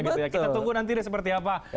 kita tunggu nanti deh seperti apa